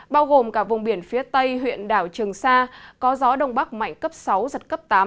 bao gồm cả vùng biển phía tây huyện đảo trường sa có gió đông bắc mạnh cấp sáu giật cấp tám